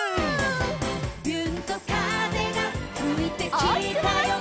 「びゅーんと風がふいてきたよ」